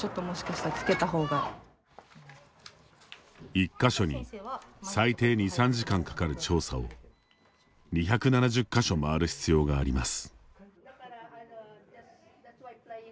１か所に最低２３時間かかる調査を２７０か所回る必要があります。